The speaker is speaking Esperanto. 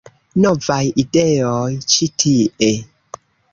- Novaj ideoj ĉi tie